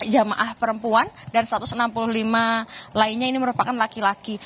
jemaah perempuan dan satu ratus enam puluh lima lainnya ini merupakan laki laki